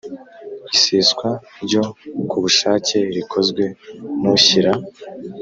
Iseswa ryo ku bushake rikozwe n ushyira